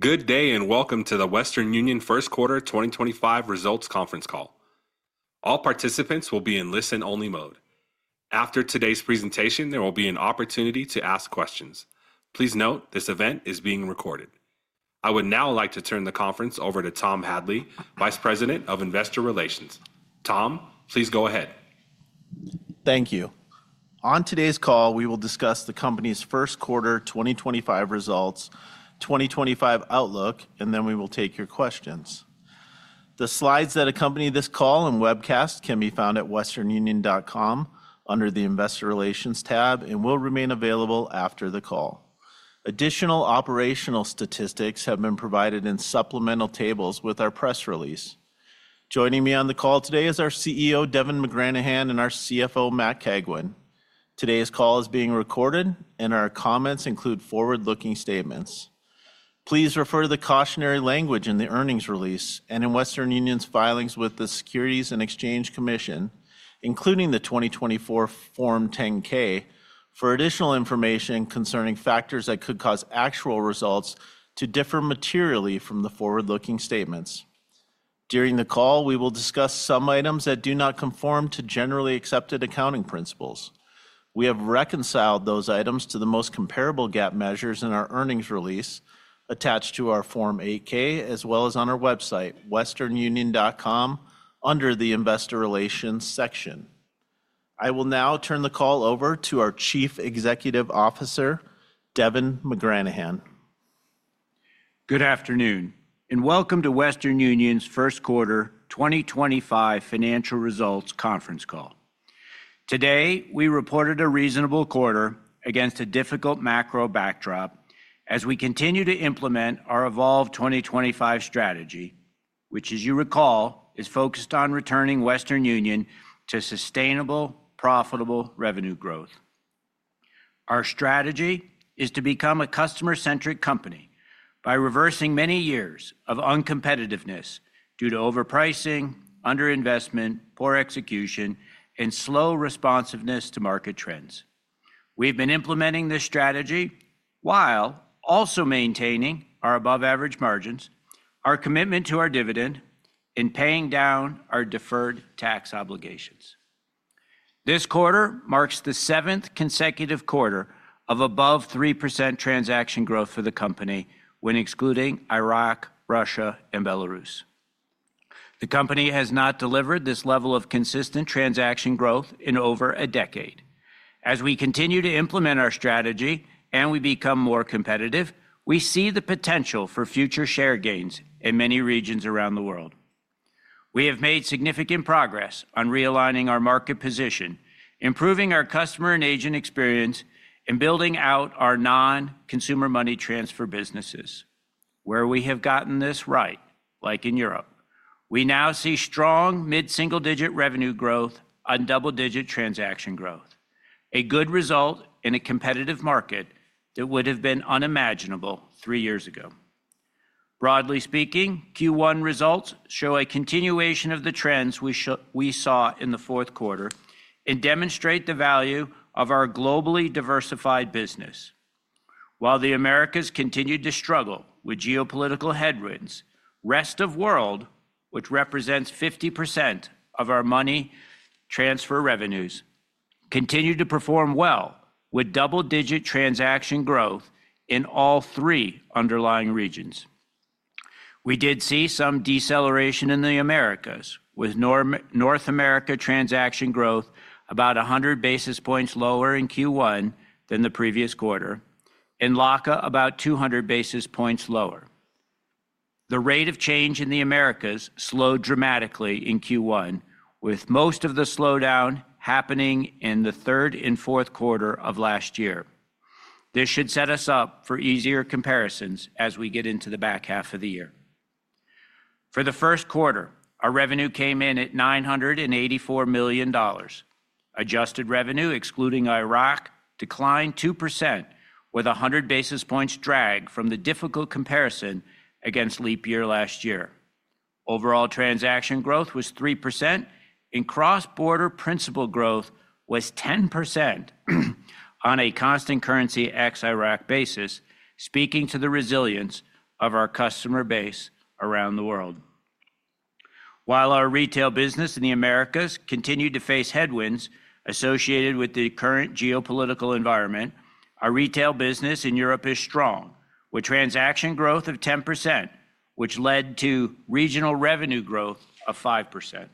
Good day and welcome to the Western Union First Quarter 2025 Results Conference call. All participants will be in listen-only mode. After today's presentation, there will be an opportunity to ask questions. Please note this event is being recorded. I would now like to turn the conference over to Tom Hadley, Vice President of Investor Relations. Tom, please go ahead. Thank you. On today's call, we will discuss the company's first quarter 2025 results, 2025 outlook, and then we will take your questions. The slides that accompany this call and webcast can be found at westernunion.com under the Investor Relations tab and will remain available after the call. Additional operational statistics have been provided in supplemental tables with our press release. Joining me on the call today is our CEO, Devin McGranahan, and our CFO, Matt Cagwin. Today's call is being recorded, and our comments include forward-looking statements. Please refer to the cautionary language in the earnings release and in Western Union's filings with the Securities and Exchange Commission, including the 2024 Form 10-K, for additional information concerning factors that could cause actual results to differ materially from the forward-looking statements. During the call, we will discuss some items that do not conform to generally accepted accounting principles. We have reconciled those items to the most comparable GAAP measures in our earnings release attached to our Form 8-K, as well as on our website, westernunion.com, under the Investor Relations section. I will now turn the call over to our Chief Executive Officer, Devin McGranahan. Good afternoon and welcome to Western Union's First Quarter 2025 Financial Results Conference Call. Today, we reported a reasonable quarter against a difficult macro backdrop as we continue to implement our Evolve 2025 strategy, which, as you recall, is focused on returning Western Union to sustainable, profitable revenue growth. Our strategy is to become a customer-centric company by reversing many years of uncompetitiveness due to overpricing, underinvestment, poor execution, and slow responsiveness to market trends. We've been implementing this strategy while also maintaining our above-average margins, our commitment to our dividend, and paying down our deferred tax obligations. This quarter marks the seventh consecutive quarter of above 3% transaction growth for the company when excluding Iraq, Russia, and Belarus. The company has not delivered this level of consistent transaction growth in over a decade. As we continue to implement our strategy and we become more competitive, we see the potential for future share gains in many regions around the world. We have made significant progress on realigning our market position, improving our customer and agent experience, and building out our non-consumer money transfer businesses. Where we have gotten this right, like in Europe, we now see strong mid-single-digit revenue growth and double-digit transaction growth, a good result in a competitive market that would have been unimaginable three years ago. Broadly speaking, Q1 results show a continuation of the trends we saw in the fourth quarter and demonstrate the value of our globally diversified business. While the Americas continued to struggle with geopolitical headwinds, the rest of the world, which represents 50% of our money transfer revenues, continued to perform well with double-digit transaction growth in all three underlying regions. We did see some deceleration in the Americas, with North America transaction growth about 100 basis points lower in Q1 than the previous quarter, and LACA about 200 basis points lower. The rate of change in the Americas slowed dramatically in Q1, with most of the slowdown happening in the third and fourth quarter of last year. This should set us up for easier comparisons as we get into the back half of the year. For the first quarter, our revenue came in at $984 million. Adjusted revenue, excluding Iraq, declined 2%, with 100 basis points drag from the difficult comparison against leap year last year. Overall transaction growth was 3%, and cross-border principal growth was 10% on a constant currency ex-Iraq basis, speaking to the resilience of our customer base around the world. While our retail business in the Americas continued to face headwinds associated with the current geopolitical environment, our retail business in Europe is strong with transaction growth of 10%, which led to regional revenue growth of 5%.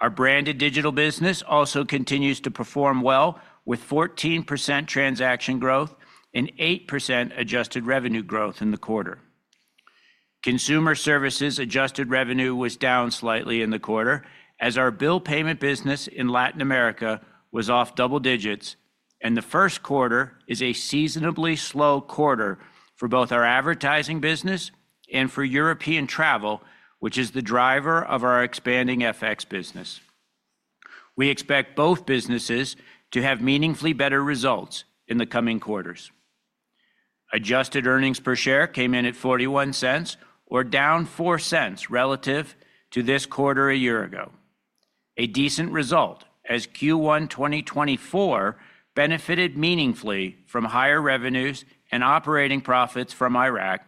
Our branded digital business also continues to perform well, with 14% transaction growth and 8% adjusted revenue growth in the quarter. Consumer services adjusted revenue was down slightly in the quarter, as our bill payment business in Latin America was off double digits, and the first quarter is a seasonably slow quarter for both our advertising business and for European travel, which is the driver of our expanding FX business. We expect both businesses to have meaningfully better results in the coming quarters. Adjusted earnings per share came in at $0.41, or down $0.04 relative to this quarter a year ago. A decent result, as Q1 2024 benefited meaningfully from higher revenues and operating profits from Iraq,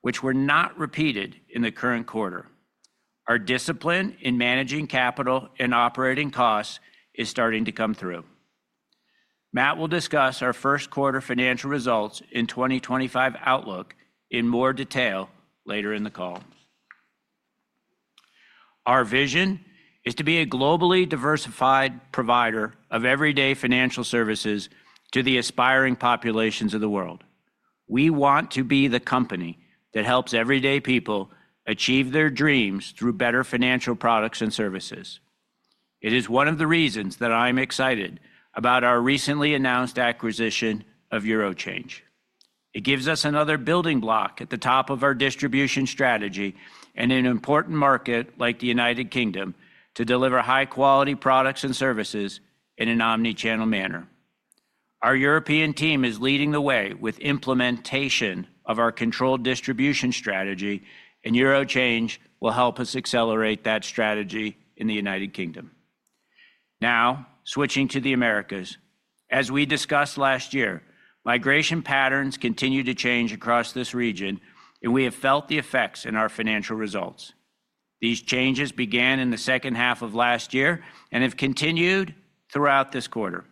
which were not repeated in the current quarter. Our discipline in managing capital and operating costs is starting to come through. Matt will discuss our first quarter financial results and 2025 outlook in more detail later in the call. Our vision is to be a globally diversified provider of everyday financial services to the aspiring populations of the world. We want to be the company that helps everyday people achieve their dreams through better financial products and services. It is one of the reasons that I'm excited about our recently announced acquisition of EuroChange. It gives us another building block at the top of our distribution strategy and in an important market like the United Kingdom to deliver high-quality products and services in an omnichannel manner. Our European team is leading the way with implementation of our controlled distribution strategy, and EuroChange will help us accelerate that strategy in the United Kingdom. Now, switching to the Americas, as we discussed last year, migration patterns continue to change across this region, and we have felt the effects in our financial results. These changes began in the second half of last year and have continued throughout this quarter.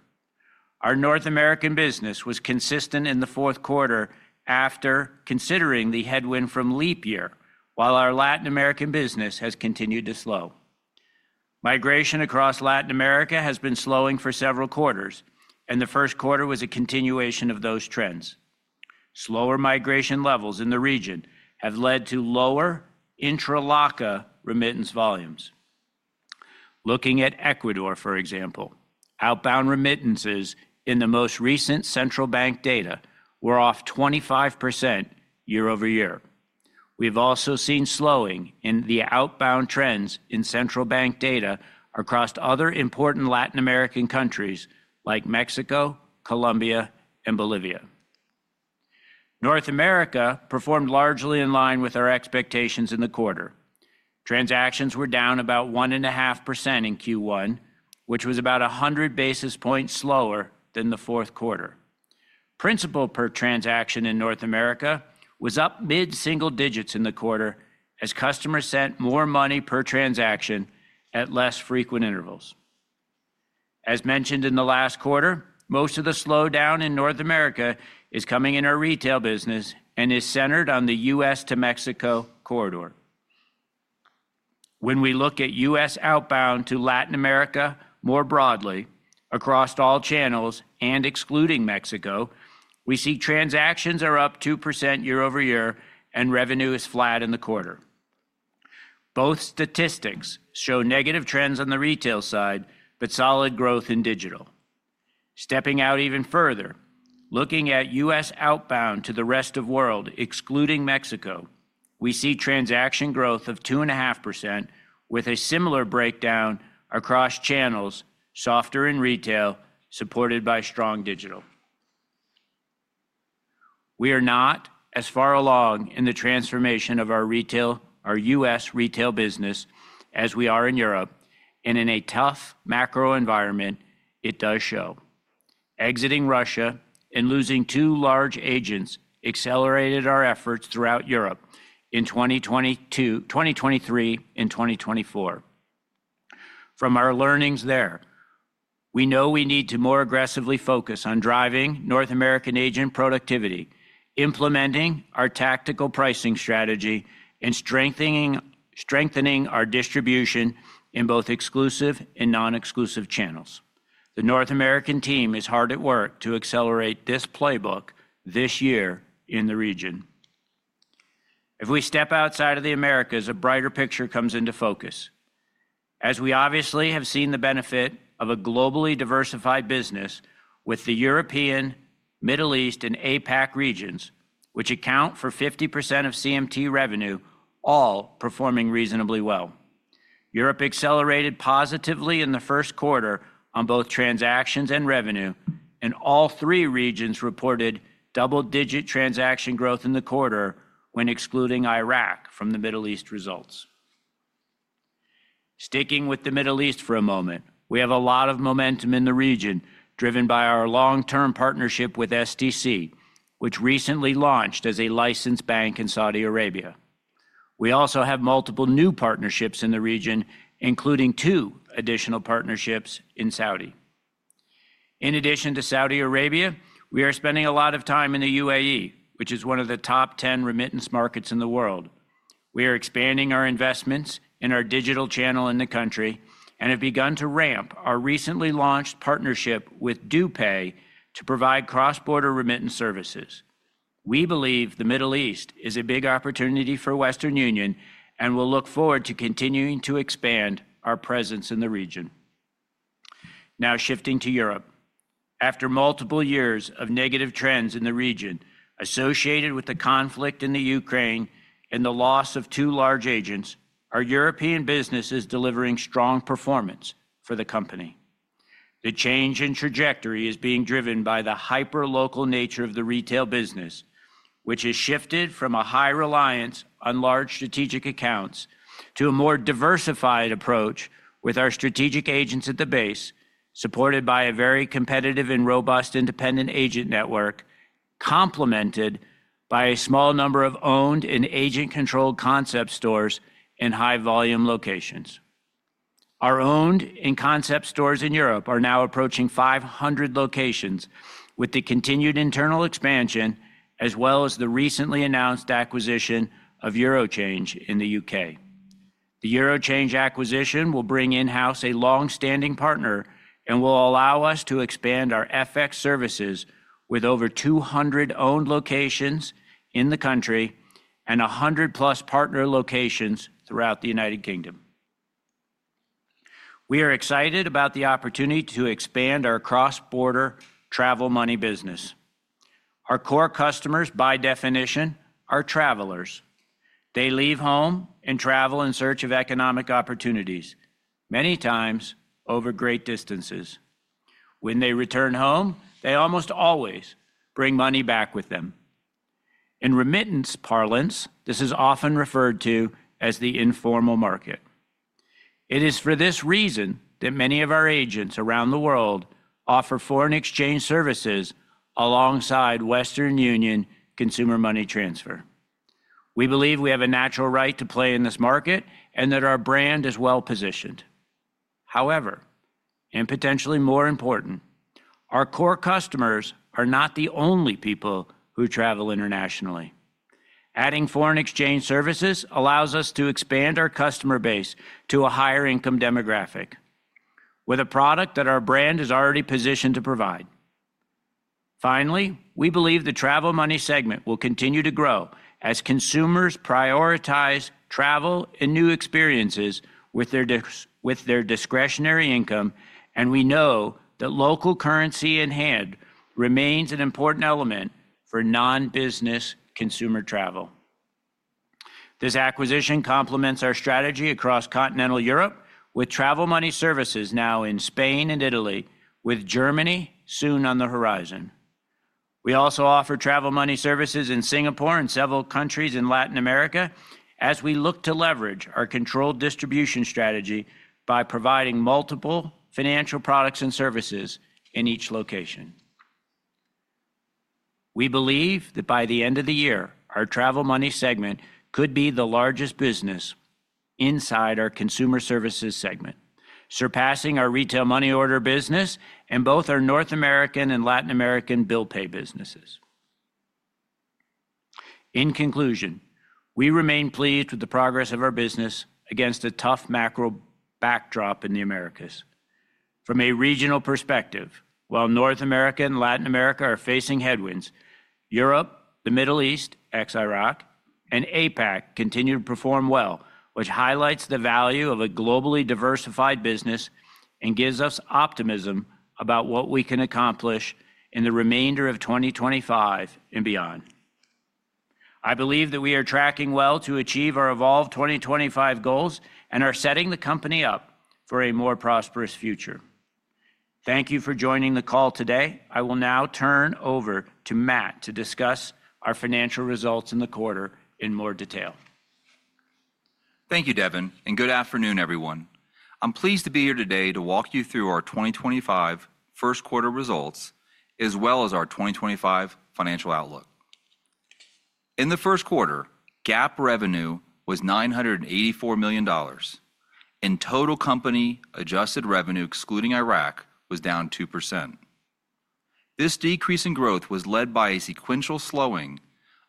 Our North American business was consistent in the fourth quarter after considering the headwind from leap year, while our Latin American business has continued to slow. Migration across Latin America has been slowing for several quarters, and the first quarter was a continuation of those trends. Slower migration levels in the region have led to lower intra-LACA remittance volumes. Looking at Ecuador, for example, outbound remittances in the most recent central bank data were off 25% year over year. We've also seen slowing in the outbound trends in central bank data across other important Latin American countries like Mexico, Colombia, and Bolivia. North America performed largely in line with our expectations in the quarter. Transactions were down about 1.5% in Q1, which was about 100 basis points slower than the fourth quarter. Principal per transaction in North America was up mid-single digits in the quarter as customers sent more money per transaction at less frequent intervals. As mentioned in the last quarter, most of the slowdown in North America is coming in our retail business and is centered on the U.S. to Mexico corridor. When we look at U.S. outbound to Latin America more broadly, across all channels and excluding Mexico, we see transactions are up 2% year over year, and revenue is flat in the quarter. Both statistics show negative trends on the retail side, but solid growth in digital. Stepping out even further, looking at U.S. outbound to the rest of the world excluding Mexico, we see transaction growth of 2.5% with a similar breakdown across channels, softer in retail, supported by strong digital. We are not as far along in the transformation of our U.S. retail business as we are in Europe, and in a tough macro environment, it does show. Exiting Russia and losing two large agents accelerated our efforts throughout Europe in 2023 and 2024. From our learnings there, we know we need to more aggressively focus on driving North American agent productivity, implementing our tactical pricing strategy, and strengthening our distribution in both exclusive and non-exclusive channels. The North American team is hard at work to accelerate this playbook this year in the region. If we step outside of the Americas, a brighter picture comes into focus. As we obviously have seen the benefit of a globally diversified business with the European, Middle East, and APAC regions, which account for 50% of CMT revenue, all performing reasonably well. Europe accelerated positively in the first quarter on both transactions and revenue, and all three regions reported double-digit transaction growth in the quarter when excluding Iraq from the Middle East results. Sticking with the Middle East for a moment, we have a lot of momentum in the region driven by our long-term partnership with STC, which recently launched as a licensed bank in Saudi Arabia. We also have multiple new partnerships in the region, including two additional partnerships in Saudi. In addition to Saudi Arabia, we are spending a lot of time in the UAE, which is one of the top 10 remittance markets in the world. We are expanding our investments in our digital channel in the country and have begun to ramp our recently launched partnership with DuPay to provide cross-border remittance services. We believe the Middle East is a big opportunity for Western Union and will look forward to continuing to expand our presence in the region. Now shifting to Europe, after multiple years of negative trends in the region associated with the conflict in Ukraine and the loss of two large agents, our European business is delivering strong performance for the company. The change in trajectory is being driven by the hyper-local nature of the retail business, which has shifted from a high reliance on large strategic accounts to a more diversified approach with our strategic agents at the base, supported by a very competitive and robust independent agent network, complemented by a small number of owned and agent-controlled concept stores in high-volume locations. Our owned and concept stores in Europe are now approaching 500 locations with the continued internal expansion, as well as the recently announced acquisition of EuroChange in the U.K. The EuroChange acquisition will bring in-house a long-standing partner and will allow us to expand our FX services with over 200 owned locations in the country and 100-plus partner locations throughout the United Kingdom. We are excited about the opportunity to expand our cross-border travel money business. Our core customers, by definition, are travelers. They leave home and travel in search of economic opportunities, many times over great distances. When they return home, they almost always bring money back with them. In remittance parlance, this is often referred to as the informal market. It is for this reason that many of our agents around the world offer foreign exchange services alongside Western Union consumer money transfer. We believe we have a natural right to play in this market and that our brand is well positioned. However, and potentially more important, our core customers are not the only people who travel internationally. Adding foreign exchange services allows us to expand our customer base to a higher-income demographic with a product that our brand is already positioned to provide. Finally, we believe the travel money segment will continue to grow as consumers prioritize travel and new experiences with their discretionary income, and we know that local currency in hand remains an important element for non-business consumer travel. This acquisition complements our strategy across continental Europe, with travel money services now in Spain and Italy, with Germany soon on the horizon. We also offer travel money services in Singapore and several countries in Latin America as we look to leverage our controlled distribution strategy by providing multiple financial products and services in each location. We believe that by the end of the year, our travel money segment could be the largest business inside our consumer services segment, surpassing our retail money order business and both our North American and Latin American bill pay businesses. In conclusion, we remain pleased with the progress of our business against a tough macro backdrop in the Americas. From a regional perspective, while North America and Latin America are facing headwinds, Europe, the Middle East ex-Iraq, and APAC continue to perform well, which highlights the value of a globally diversified business and gives us optimism about what we can accomplish in the remainder of 2025 and beyond. I believe that we are tracking well to achieve our Evolve 2025 goals and are setting the company up for a more prosperous future. Thank you for joining the call today. I will now turn over to Matt to discuss our financial results in the quarter in more detail. Thank you, Devin, and good afternoon, everyone. I'm pleased to be here today to walk you through our 2025 first quarter results, as well as our 2025 financial outlook. In the first quarter, GAAP revenue was $984 million, and total company adjusted revenue, excluding Iraq, was down 2%. This decrease in growth was led by a sequential slowing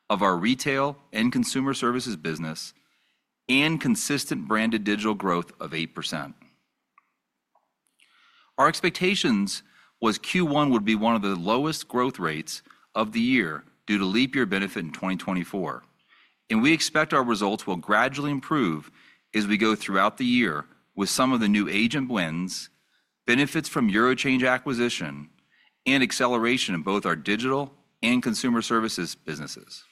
of our retail and consumer services business and consistent branded digital growth of 8%. Our expectations were Q1 would be one of the lowest growth rates of the year due to leap year benefit in 2024, and we expect our results will gradually improve as we go throughout the year with some of the new agent wins, benefits from EuroChange acquisition, and acceleration in both our digital and consumer services businesses.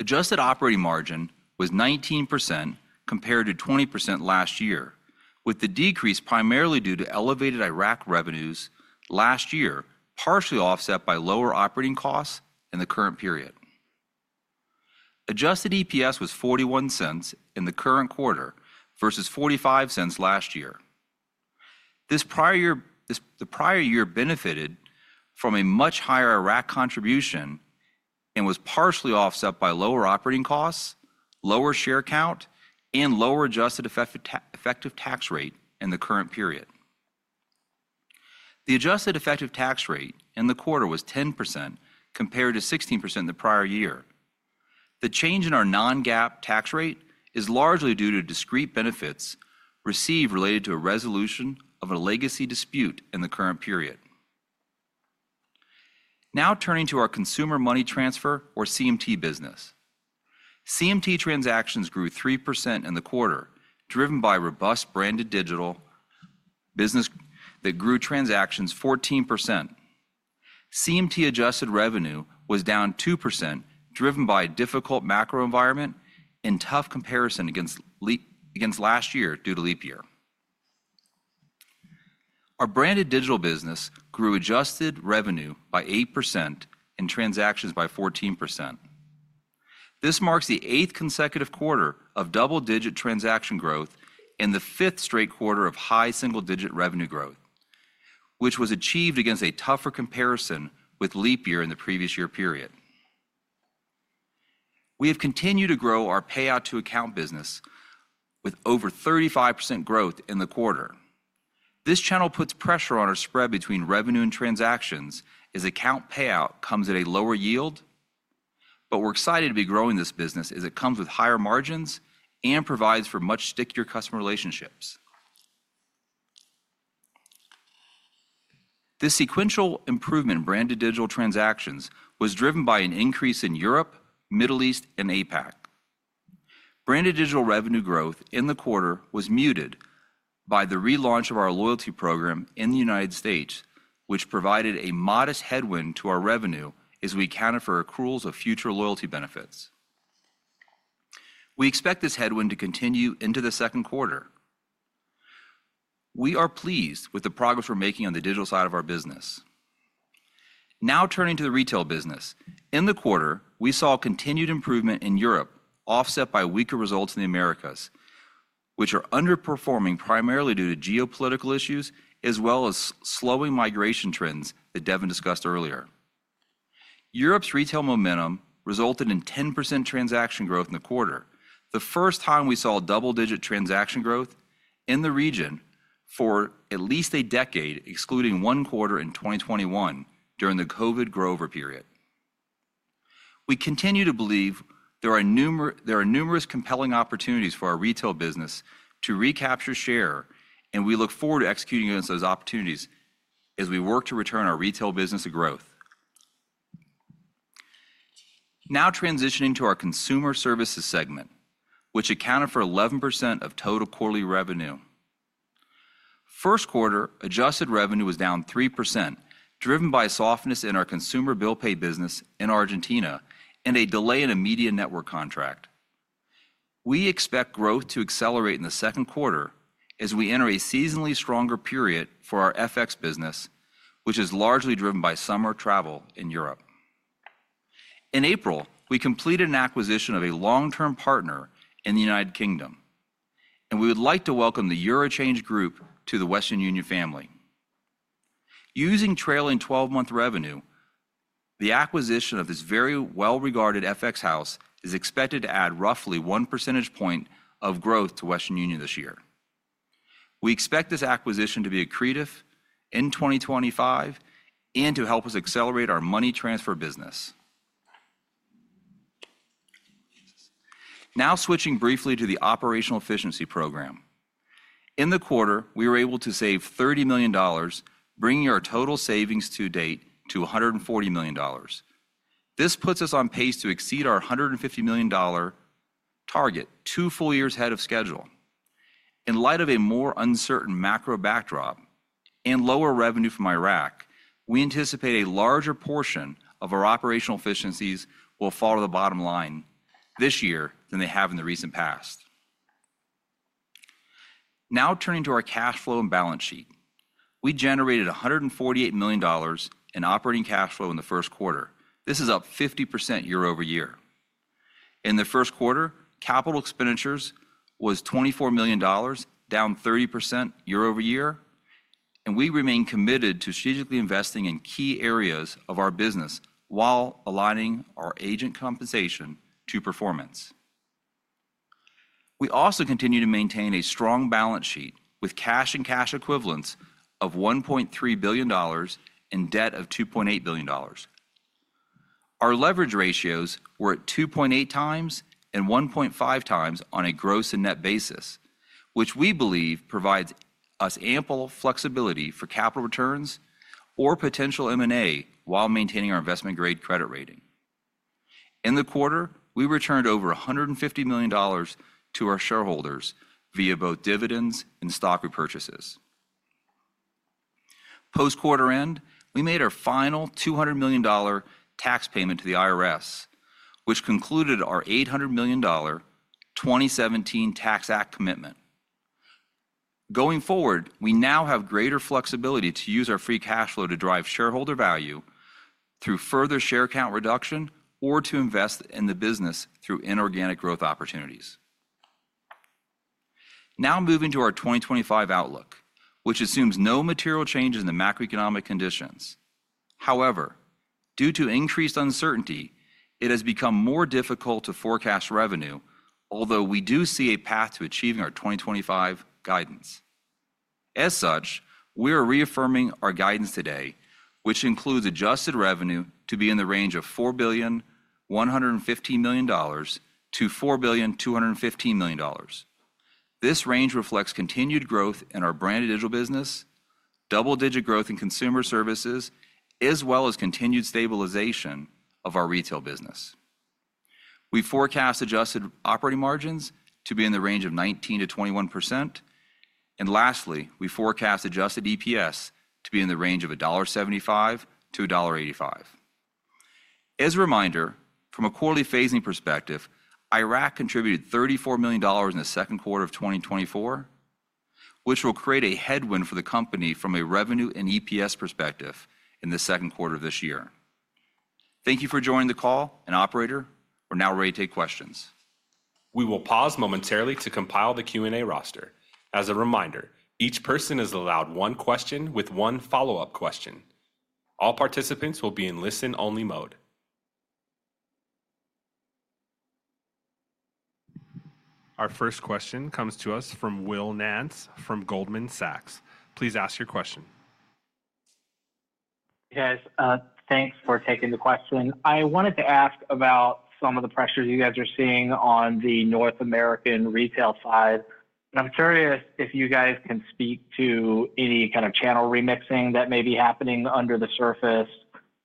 Adjusted operating margin was 19% compared to 20% last year, with the decrease primarily due to elevated Iraq revenues last year, partially offset by lower operating costs in the current period. Adjusted EPS was $0.41 in the current quarter versus $0.45 last year. The prior year benefited from a much higher Iraq contribution and was partially offset by lower operating costs, lower share count, and lower adjusted effective tax rate in the current period. The adjusted effective tax rate in the quarter was 10% compared to 16% the prior year. The change in our non-GAAP tax rate is largely due to discrete benefits received related to a resolution of a legacy dispute in the current period. Now turning to our Consumer Money Transfer or CMT business. CMT transactions grew 3% in the quarter, driven by robust Branded Digital Business that grew transactions 14%. CMT adjusted revenue was down 2%, driven by a difficult macro environment and tough comparison against last year due to leap year. Our Branded Digital Business grew adjusted revenue by 8% and transactions by 14%. This marks the eighth consecutive quarter of double-digit transaction growth and the fifth straight quarter of high single-digit revenue growth, which was achieved against a tougher comparison with leap year in the previous year period. We have continued to grow our payout to account business with over 35% growth in the quarter. This channel puts pressure on our spread between revenue and transactions as account payout comes at a lower yield, but we're excited to be growing this business as it comes with higher margins and provides for much stickier customer relationships. This sequential improvement in branded digital transactions was driven by an increase in Europe, Middle East, and APAC. Branded digital revenue growth in the quarter was muted by the relaunch of our loyalty program in the United States, which provided a modest headwind to our revenue as we counter for accruals of future loyalty benefits. We expect this headwind to continue into the second quarter. We are pleased with the progress we're making on the digital side of our business. Now turning to the retail business, in the quarter, we saw continued improvement in Europe, offset by weaker results in the Americas, which are underperforming primarily due to geopolitical issues as well as slowing migration trends that Devin discussed earlier. Europe's retail momentum resulted in 10% transaction growth in the quarter, the first time we saw double-digit transaction growth in the region for at least a decade, excluding one quarter in 2021 during the COVID period. We continue to believe there are numerous compelling opportunities for our retail business to recapture share, and we look forward to executing against those opportunities as we work to return our retail business to growth. Now transitioning to our consumer services segment, which accounted for 11% of total quarterly revenue. First quarter adjusted revenue was down 3%, driven by a softness in our consumer bill pay business in Argentina and a delay in a media network contract. We expect growth to accelerate in the second quarter as we enter a seasonally stronger period for our FX business, which is largely driven by summer travel in Europe. In April, we completed an acquisition of a long-term partner in the United Kingdom, and we would like to welcome the EuroChange Group to the Western Union family. Using trailing 12-month revenue, the acquisition of this very well-regarded FX house is expected to add roughly one percentage point of growth to Western Union this year. We expect this acquisition to be accretive in 2025 and to help us accelerate our money transfer business. Now switching briefly to the operational efficiency program. In the quarter, we were able to save $30 million, bringing our total savings to date to $140 million. This puts us on pace to exceed our $150 million target two full years ahead of schedule. In light of a more uncertain macro backdrop and lower revenue from Iraq, we anticipate a larger portion of our operational efficiencies will fall to the bottom line this year than they have in the recent past. Now turning to our cash flow and balance sheet, we generated $148 million in operating cash flow in the first quarter. This is up 50% year over year. In the first quarter, capital expenditures was $24 million, down 30% year over year, and we remain committed to strategically investing in key areas of our business while aligning our agent compensation to performance. We also continue to maintain a strong balance sheet with cash and cash equivalents of $1.3 billion and debt of $2.8 billion. Our leverage ratios were at 2.8 times and 1.5 times on a gross and net basis, which we believe provides us ample flexibility for capital returns or potential M&A while maintaining our investment-grade credit rating. In the quarter, we returned over $150 million to our shareholders via both dividends and stock repurchases. Post-quarter end, we made our final $200 million tax payment to the IRS, which concluded our $800 million 2017 Tax Act Commitment. Going forward, we now have greater flexibility to use our free cash flow to drive shareholder value through further share count reduction or to invest in the business through inorganic growth opportunities. Now moving to our 2025 outlook, which assumes no material changes in the macroeconomic conditions. However, due to increased uncertainty, it has become more difficult to forecast revenue, although we do see a path to achieving our 2025 guidance. As such, we are reaffirming our guidance today, which includes adjusted revenue to be in the range of $4 billion 115 million-$4 billion 215 million. This range reflects continued growth in our branded digital business, double-digit growth in consumer services, as well as continued stabilization of our retail business. We forecast adjusted operating margins to be in the range of 19%-21%. Lastly, we forecast adjusted EPS to be in the range of $1.75-$1.85. As a reminder, from a quarterly phasing perspective, Iraq contributed $34 million in the second quarter of 2024, which will create a headwind for the company from a revenue and EPS perspective in the second quarter of this year. Thank you for joining the call and operator. We're now ready to take questions. We will pause momentarily to compile the Q&A roster. As a reminder, each person is allowed one question with one follow-up question. All participants will be in listen-only mode. Our first question comes to us from Will Nance from Goldman Sachs. Please ask your question. Yes, thanks for taking the question. I wanted to ask about some of the pressures you guys are seeing on the North American retail side. I'm curious if you guys can speak to any kind of channel remixing that may be happening under the surface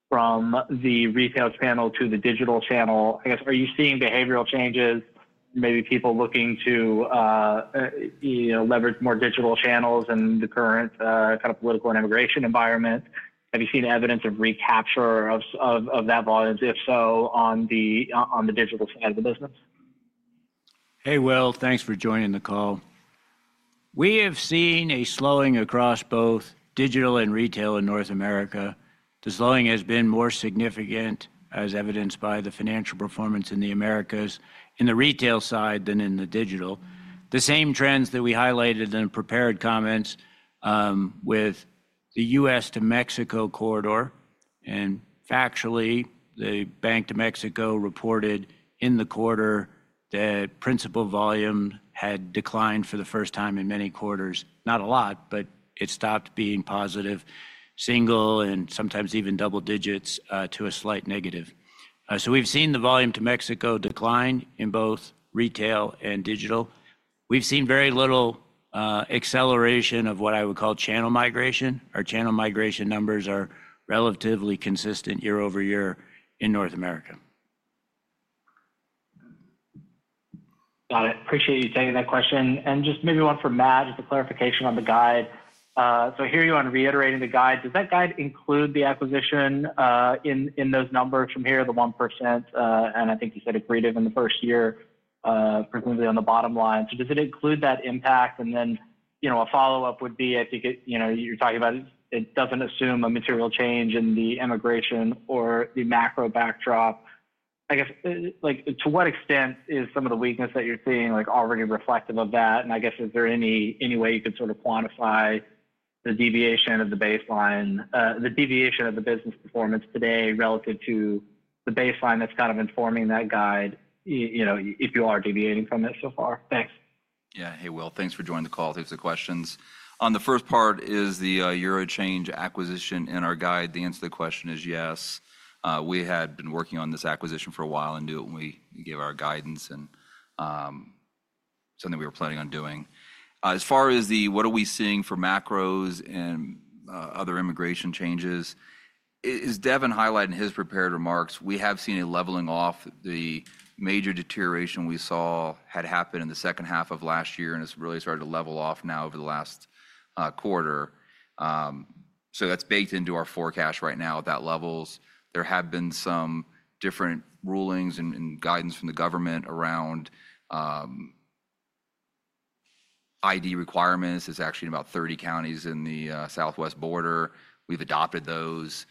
from the retail channel to the digital channel. I guess, are you seeing behavioral changes, maybe people looking to leverage more digital channels in the current kind of political and immigration environment? Have you seen evidence of recapture of that volume, if so, on the digital side of the business? Hey, Will, thanks for joining the call. We have seen a slowing across both digital and retail in North America. The slowing has been more significant, as evidenced by the financial performance in the Americas in the retail side than in the digital. The same trends that we highlighted in the prepared comments with the U.S. to Mexico corridor. In fact, the Bank to Mexico reported in the quarter that principal volume had declined for the first time in many quarters. Not a lot, but it stopped being positive, single, and sometimes even double digits to a slight negative. We have seen the volume to Mexico decline in both retail and digital. We have seen very little acceleration of what I would call channel migration. Our channel migration numbers are relatively consistent year over year in North America. Got it. Appreciate you taking that question. Just maybe one for Matt, just a clarification on the guide. I hear you on reiterating the guide. Does that guide include the acquisition in those numbers from here, the 1%? I think you said accretive in the first year, presumably on the bottom line. Does it include that impact? A follow-up would be, I think you're talking about it doesn't assume a material change in the immigration or the macro backdrop. I guess, to what extent is some of the weakness that you're seeing already reflective of that? Is there any way you could sort of quantify the deviation of the baseline, the deviation of the business performance today relative to the baseline that's kind of informing that guide if you are deviating from it so far? Thanks. Yeah. Hey, Will, thanks for joining the call to answer the questions. On the first part, is the EuroChange acquisition in our guide. The answer to the question is yes. We had been working on this acquisition for a while and knew it when we gave our guidance and something we were planning on doing. As far as the what are we seeing for macros and other immigration changes, as Devin highlighted in his prepared remarks, we have seen a leveling off. The major deterioration we saw had happened in the second half of last year, and it has really started to level off now over the last quarter. That is baked into our forecast right now at that levels. There have been some different rulings and guidance from the government around ID requirements. It is actually in about 30 counties in the southwest border. We have adopted those.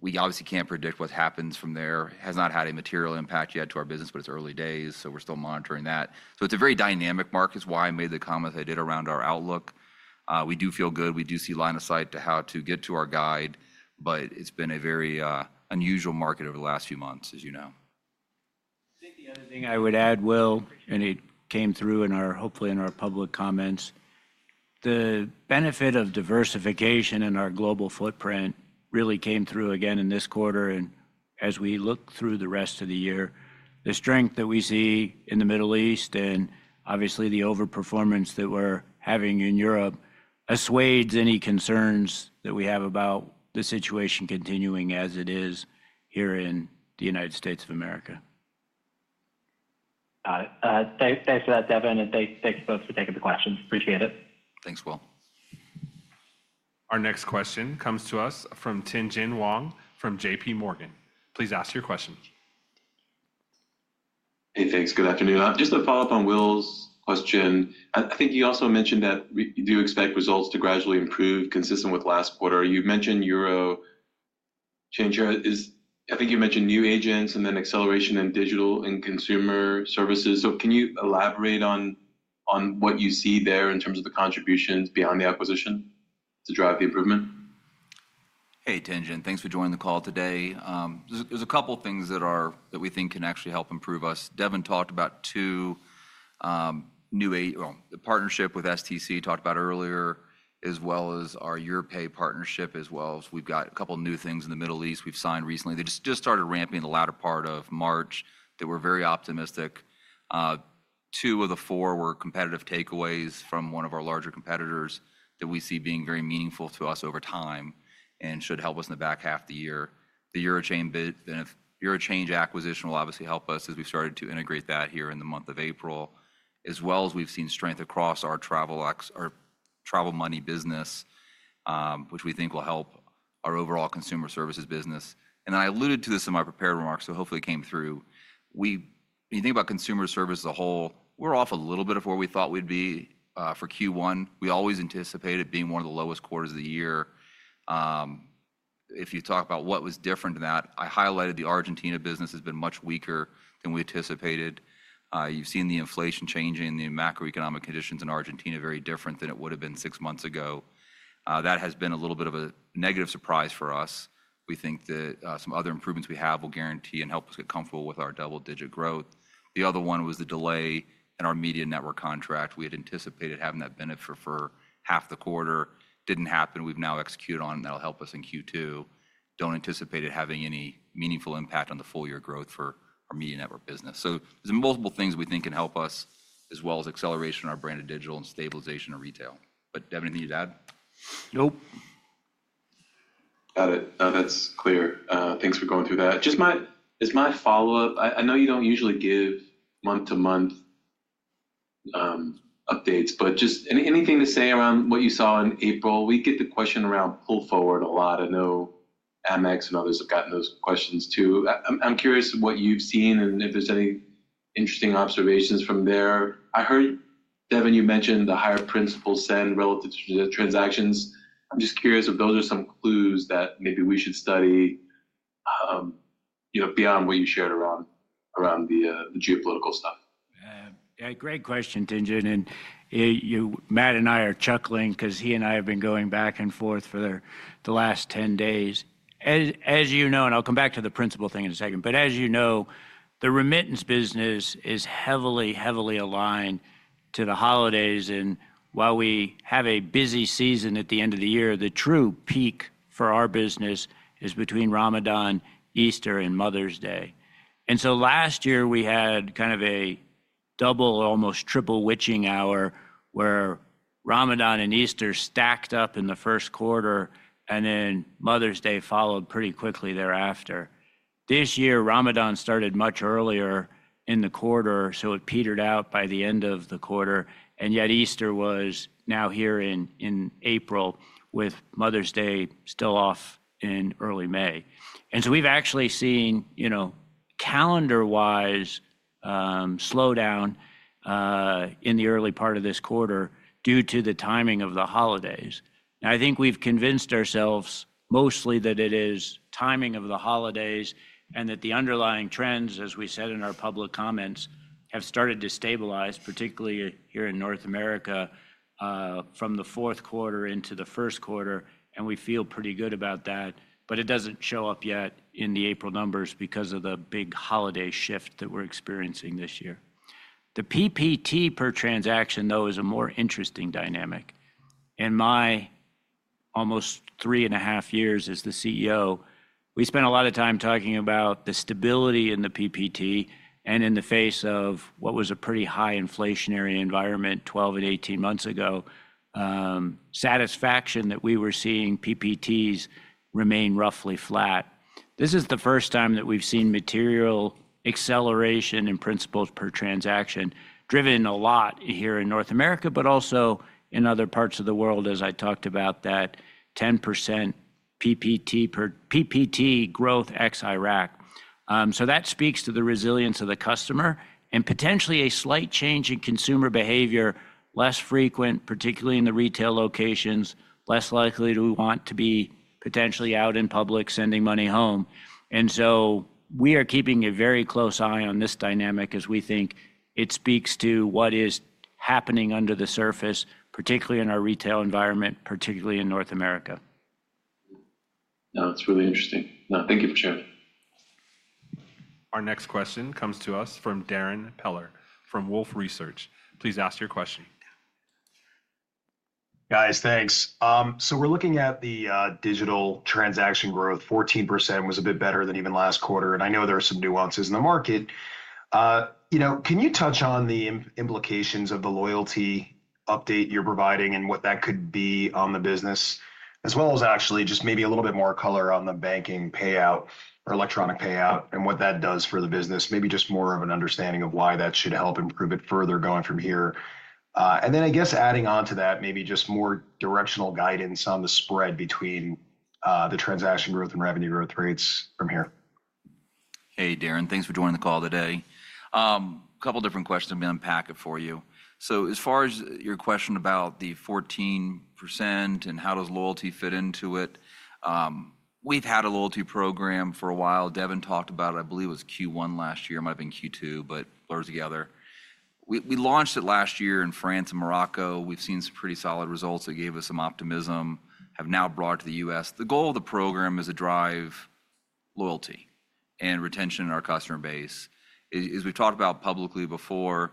We obviously cannot predict what happens from there. It has not had a material impact yet to our business, but it's early days, so we're still monitoring that. It is a very dynamic market, which is why I made the comments I did around our outlook. We do feel good. We do see line of sight to how to get to our guide, but it's been a very unusual market over the last few months, as you know. I think the other thing I would add, Will, and it came through in our, hopefully in our public comments, the benefit of diversification in our global footprint really came through again in this quarter. As we look through the rest of the year, the strength that we see in the Middle East and obviously the overperformance that we're having in Europe assuages any concerns that we have about the situation continuing as it is here in the United States of America. Got it. Thanks for that, Devin, and thanks both for taking the questions. Appreciate it. Thanks, Will. Our next question comes to us from Tien Tsin Huang from JP Morgan. Please ask your question. Hey, thanks. Good afternoon. Just to follow up on Will's question, I think you also mentioned that you do expect results to gradually improve consistent with last quarter. You mentioned EuroChange. I think you mentioned new agents and then acceleration in digital and consumer services. Can you elaborate on what you see there in terms of the contributions beyond the acquisition to drive the improvement? Hey, Tien Tsin, thanks for joining the call today. There's a couple of things that we think can actually help improve us. Devin talked about two new, well, the partnership with STC talked about earlier, as well as our EuroChange partnership, as well as we've got a couple of new things in the Middle East we've signed recently. They just started ramping the latter part of March that we're very optimistic. Two of the four were competitive takeaways from one of our larger competitors that we see being very meaningful to us over time and should help us in the back half of the year. The EuroChange acquisition will obviously help us as we've started to integrate that here in the month of April, as well as we've seen strength across our travel money business, which we think will help our overall consumer services business. I alluded to this in my prepared remarks, so hopefully it came through. When you think about consumer service as a whole, we're off a little bit of where we thought we'd be for Q1. We always anticipated being one of the lowest quarters of the year. If you talk about what was different than that, I highlighted the Argentina business has been much weaker than we anticipated. You've seen the inflation changing and the macroeconomic conditions in Argentina very different than it would have been six months ago. That has been a little bit of a negative surprise for us. We think that some other improvements we have will guarantee and help us get comfortable with our double-digit growth. The other one was the delay in our media network contract. We had anticipated having that benefit for half the quarter. Did not happen. We've now executed on it, and that'll help us in Q2. Do not anticipate it having any meaningful impact on the full-year growth for our media network business. There are multiple things we think can help us, as well as acceleration in our branded digital and stabilization of retail. Do you have anything you'd add? Nope. Got it. That's clear. Thanks for going through that. Just my follow-up. I know you do not usually give month-to-month updates, but just anything to say around what you saw in April? We get the question around pull forward a lot. I know AmEx and others have gotten those questions too. I'm curious what you've seen and if there's any interesting observations from there. I heard, Devin, you mentioned the higher principal send relative to the transactions. I'm just curious if those are some clues that maybe we should study beyond what you shared around the geopolitical stuff. Yeah, great question, Tien Tsin. Matt and I are chuckling because he and I have been going back and forth for the last 10 days. As you know, and I'll come back to the principal thing in a second, but as you know, the remittance business is heavily, heavily aligned to the holidays. While we have a busy season at the end of the year, the true peak for our business is between Ramadan, Easter, and Mother's Day. Last year, we had kind of a double, almost triple witching hour where Ramadan and Easter stacked up in the first quarter, and then Mother's Day followed pretty quickly thereafter. This year, Ramadan started much earlier in the quarter, so it petered out by the end of the quarter. Yet Easter was now here in April with Mother's Day still off in early May. We have actually seen calendar-wise slowdown in the early part of this quarter due to the timing of the holidays. I think we have convinced ourselves mostly that it is timing of the holidays and that the underlying trends, as we said in our public comments, have started to stabilize, particularly here in North America from the fourth quarter into the first quarter. We feel pretty good about that, but it does not show up yet in the April numbers because of the big holiday shift that we are experiencing this year. The PPT per transaction, though, is a more interesting dynamic. In my almost three and a half years as the CEO, we spent a lot of time talking about the stability in the PPT and in the face of what was a pretty high inflationary environment 12 and 18 months ago, satisfaction that we were seeing PPTs remain roughly flat. This is the first time that we've seen material acceleration in principals per transaction driven a lot here in North America, but also in other parts of the world, as I talked about that 10% PPT growth ex-Iraq. That speaks to the resilience of the customer and potentially a slight change in consumer behavior, less frequent, particularly in the retail locations, less likely to want to be potentially out in public sending money home. We are keeping a very close eye on this dynamic as we think it speaks to what is happening under the surface, particularly in our retail environment, particularly in North America. Thats, it's really interesting. No, thank you for sharing. Our next question comes to us from Darrin Peller from Wolfe Research. Please ask your question. Guys, thanks. We are looking at the digital transaction growth. 14% was a bit better than even last quarter. I know there are some nuances in the market. Can you touch on the implications of the loyalty update you're providing and what that could be on the business, as well as actually just maybe a little bit more color on the banking payout or electronic payout and what that does for the business, maybe just more of an understanding of why that should help improve it further going from here. I guess adding on to that, maybe just more directional guidance on the spread between the transaction growth and revenue growth rates from here. Hey, Darrin, thanks for joining the call today. A couple of different questions, I'm going to unpack it for you. As far as your question about the 14% and how does loyalty fit into it, we've had a loyalty program for a while. Devin talked about it, I believe it was Q1 last year, might have been Q2, but blurs together. We launched it last year in France and Morocco. We've seen some pretty solid results that gave us some optimism, have now brought to the U.S. The goal of the program is to drive loyalty and retention in our customer base. As we've talked about publicly before,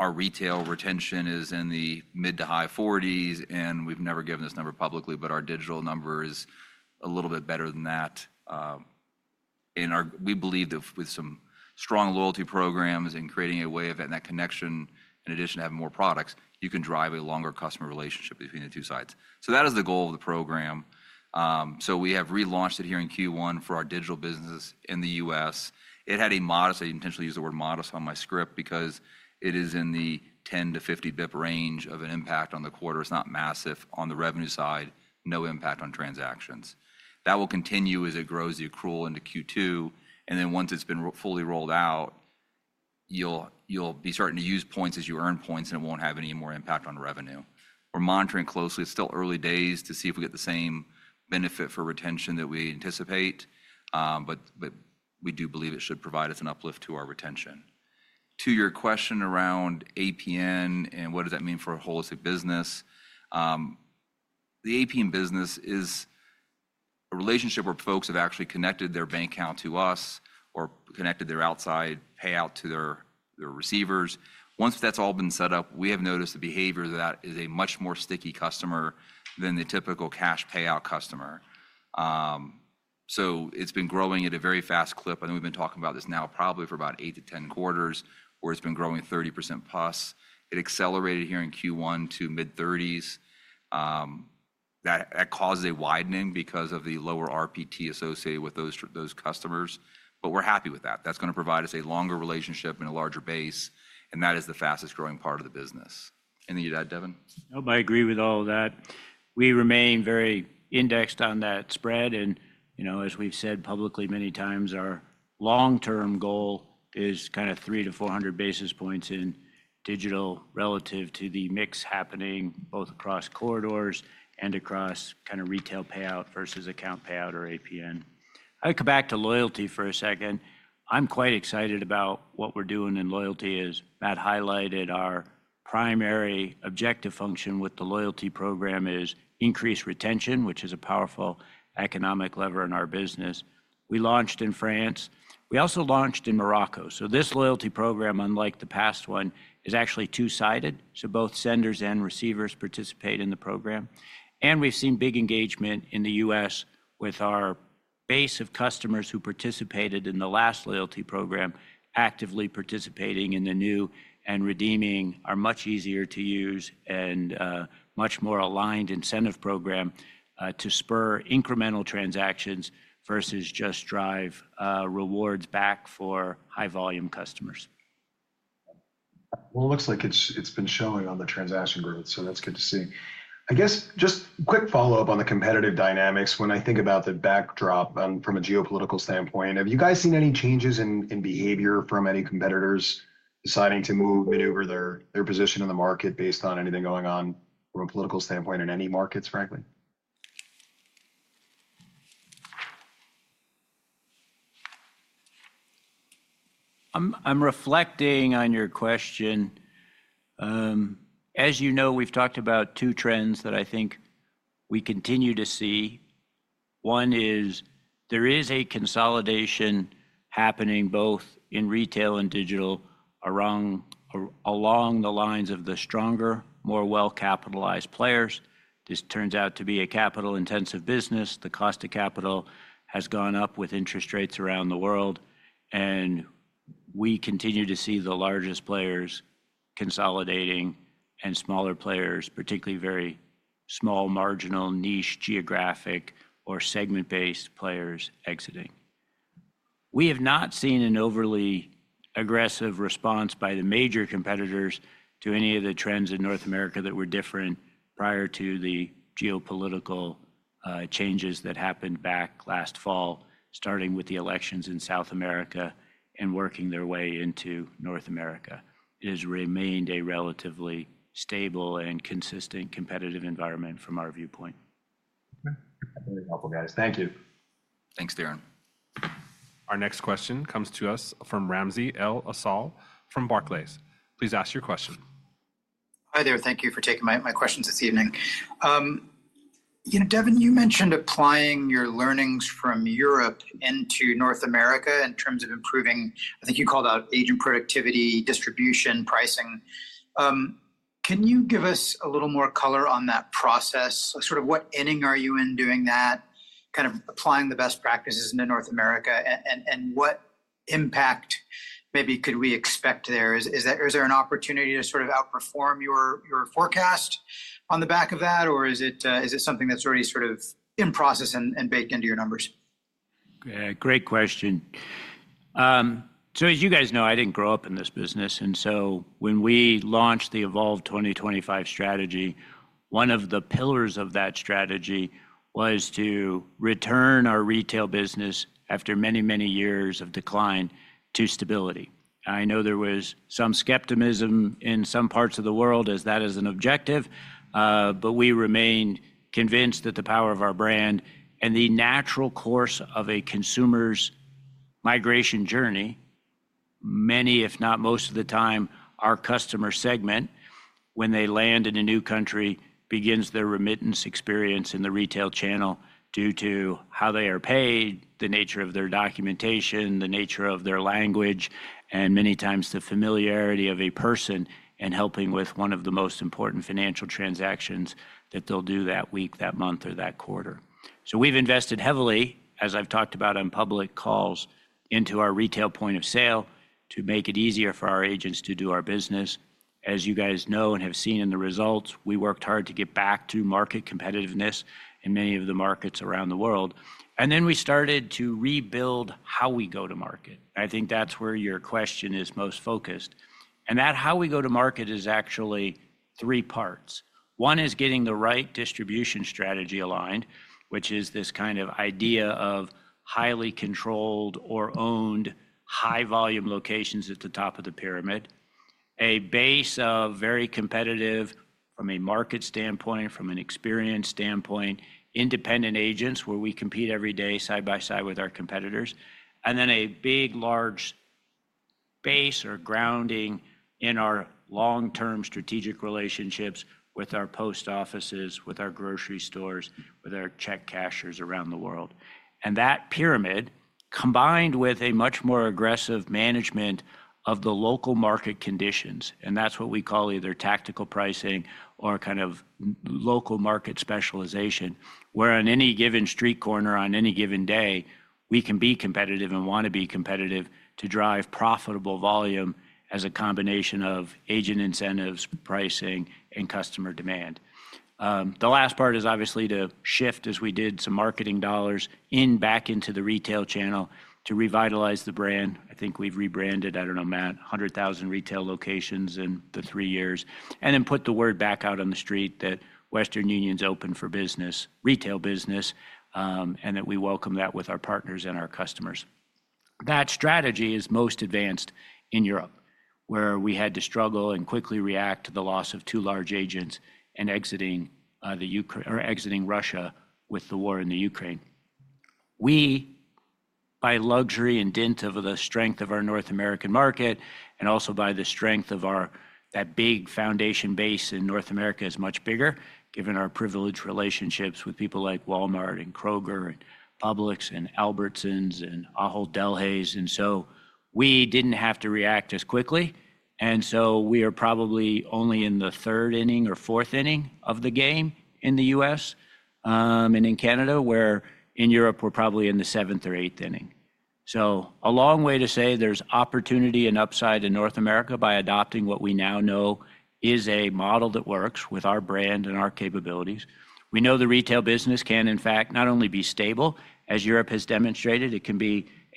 our retail retention is in the mid to high 40s, and we've never given this number publicly, but our digital number is a little bit better than that. We believe that with some strong loyalty programs and creating a way of that connection, in addition to having more products, you can drive a longer customer relationship between the two sides. That is the goal of the program. We have relaunched it here in Q1 for our digital business in the U.S. It had a modest—I intentionally used the word modest on my script because it is in the 10-50 basis point range of an impact on the quarter. It is not massive on the revenue side, no impact on transactions. That will continue as it grows accrual into Q2. Once it's been fully rolled out, you'll be starting to use points as you earn points, and it won't have any more impact on revenue. We're monitoring closely. It's still early days to see if we get the same benefit for retention that we anticipate, but we do believe it should provide us an uplift to our retention. To your question around APN and what does that mean for a holistic business, the APN business is a relationship where folks have actually connected their bank account to us or connected their outside payout to their receivers. Once that's all been set up, we have noticed the behavior that that is a much more sticky customer than the typical cash payout customer. It's been growing at a very fast clip. I think we've been talking about this now probably for about eight to ten quarters where it's been growing 30% plus. It accelerated here in Q1 to mid-30%. That caused a widening because of the lower RPT associated with those customers. We're happy with that. That's going to provide us a longer relationship and a larger base, and that is the fastest growing part of the business. Anything you'd add, Devin? Nope, I agree with all of that. We remain very indexed on that spread. As we've said publicly many times, our long-term goal is kind of three to four hundred basis points in digital relative to the mix happening both across corridors and across kind of retail payout versus account payout or APN. I'll come back to loyalty for a second. I'm quite excited about what we're doing in loyalty as Matt highlighted. Our primary objective function with the loyalty program is increase retention, which is a powerful economic lever in our business. We launched in France. We also launched in Morocco. This loyalty program, unlike the past one, is actually two-sided. Both senders and receivers participate in the program. We've seen big engagement in the U.S. with our base of customers who participated in the last loyalty program actively participating in the new and redeeming our much easier to use and much more aligned incentive program to spur incremental transactions versus just drive rewards back for high-volume customers. It looks like it's been showing on the transaction growth, so that's good to see. I guess just quick follow-up on the competitive dynamics. When I think about the backdrop from a geopolitical standpoint, have you guys seen any changes in behavior from any competitors deciding to move, maneuver their position in the market based on anything going on from a political standpoint in any markets, frankly? I'm reflecting on your question. As you know, we've talked about two trends that I think we continue to see. One is there is a consolidation happening both in retail and digital along the lines of the stronger, more well-capitalized players. This turns out to be a capital-intensive business. The cost of capital has gone up with interest rates around the world, and we continue to see the largest players consolidating and smaller players, particularly very small, marginal, niche geographic or segment-based players exiting. We have not seen an overly aggressive response by the major competitors to any of the trends in North America that were different prior to the geopolitical changes that happened back last fall, starting with the elections in South America and working their way into North America. It has remained a relatively stable and consistent competitive environment from our viewpoint. Okay. Very helpful, guys. Thank you. Thanks, Darrin. Our next question comes to us from Ramsey El Assal from Barclays. Please ask your question. Hi there. Thank you for taking my questions this evening. Devin, you mentioned applying your learnings from Europe into North America in terms of improving, I think you called out agent productivity, distribution, pricing. Can you give us a little more color on that process? Sort of what inning are you in doing that, kind of applying the best practices into North America and what impact maybe could we expect there? Is there an opportunity to sort of outperform your forecast on the back of that, or is it something that's already sort of in process and baked into your numbers? Great question. As you guys know, I didn't grow up in this business. When we launched the Evolve 2025 strategy, one of the pillars of that strategy was to return our retail business after many, many years of decline to stability. I know there was some skepticism in some parts of the world as that is an objective, but we remain convinced that the power of our brand and the natural course of a consumer's migration journey, many, if not most of the time, our customer segment, when they land in a new country, begins their remittance experience in the retail channel due to how they are paid, the nature of their documentation, the nature of their language, and many times the familiarity of a person in helping with one of the most important financial transactions that they'll do that week, that month, or that quarter. We have invested heavily, as I've talked about on public calls, into our retail point of sale to make it easier for our agents to do our business. As you guys know and have seen in the results, we worked hard to get back to market competitiveness in many of the markets around the world. We started to rebuild how we go to market. I think that's where your question is most focused. That how we go to market is actually three parts. One is getting the right distribution strategy aligned, which is this kind of idea of highly controlled or owned high-volume locations at the top of the pyramid, a base of very competitive from a market standpoint, from an experience standpoint, independent agents where we compete every day side by side with our competitors, and then a big, large base or grounding in our long-term strategic relationships with our post offices, with our grocery stores, with our check cashers around the world. That pyramid combined with a much more aggressive management of the local market conditions. That is what we call either tactical pricing or kind of local market specialization, where on any given street corner, on any given day, we can be competitive and want to be competitive to drive profitable volume as a combination of agent incentives, pricing, and customer demand. The last part is obviously to shift, as we did, some marketing dollars back into the retail channel to revitalize the brand. I think we've rebranded, I don't know, Matt, 100,000 retail locations in the three years and then put the word back out on the street that Western Union's open for business, retail business, and that we welcome that with our partners and our customers. That strategy is most advanced in Europe, where we had to struggle and quickly react to the loss of two large agents and exiting Russia with the war in the Ukraine. We, by luxury indent of the strength of our North American market and also by the strength of that big foundation base in North America, is much bigger, given our privileged relationships with people like Walmart and Kroger and Publix and Albertsons and Ahold Delhaize. We did not have to react as quickly. We are probably only in the third inning or fourth inning of the game in the U.S. and in Canada, where in Europe we are probably in the seventh or eighth inning. A long way to say there is opportunity and upside in North America by adopting what we now know is a model that works with our brand and our capabilities. We know the retail business can, in fact, not only be stable, as Europe has demonstrated, it can